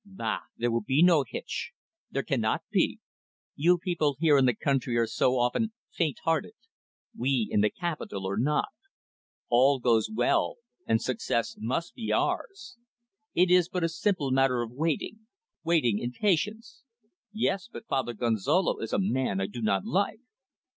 "Bah! There will be no hitch. There cannot be. You people here in the country are so often faint hearted. We in the capital are not. All goes well, and success must be ours. It is but a simple matter of waiting waiting in patience." "Yes but Father Gonzalo is a man whom I do not like."